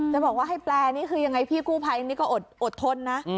จะบอกว่าให้แปลนี่คือยังไงพี่กู้ภัยนี่ก็อดทนนะ